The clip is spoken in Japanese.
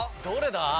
どれだ？